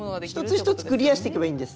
１つ１つクリアしていけばいいんです。